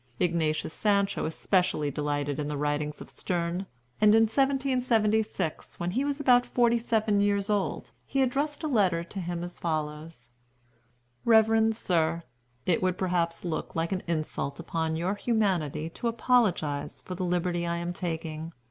Ignatius Sancho especially delighted in the writings of Sterne; and in 1776, when he was about forty seven years old, he addressed a letter to him as follows: "REVEREND SIR, It would perhaps look like an insult upon your humanity to apologize for the liberty I am taking.